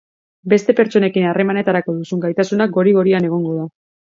Beste pertsonekin harremanetarako duzun gaitasuna gori-gorian egongo da.